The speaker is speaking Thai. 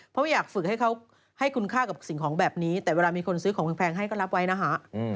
เพราะว่าอยากฝึกให้เขาให้คุณค่ากับสิ่งของแบบนี้แต่เวลามีคนซื้อของแพงให้ก็รับไว้นะฮะ